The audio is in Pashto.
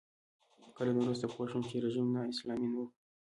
کلونه وروسته پوه شوم چې رژیم نا اسلامي نه و.